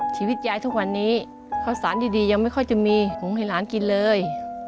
ชีวิตยายทุกวันนี้ข้าวสารดียังไม่ค่อยจะมีหุงให้หลานกินเลย